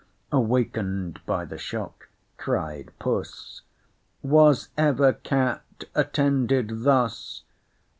Awaken'd by the shock (cried Puss) "Was ever cat attended thus?